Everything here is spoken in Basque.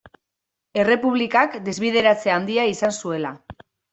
Errepublikak desbideratze handia izan zuela.